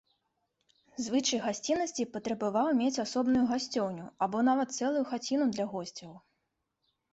Звычай гасціннасці патрабаваў мець асобную гасцёўню або нават цэлую хаціну для госцяў.